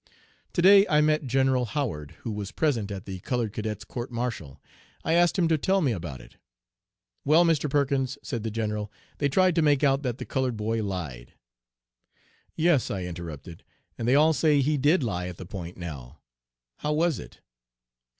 "To day I met General Howard, who was present at the colored cadet's court martial. I asked him to tell me about it. "'Well, Mr. Perkins,' said the General, 'they tried to make out that the colored boy lied.' "'Yes,' I interrupted, 'and they all say he did lie at the Point now. How was it?'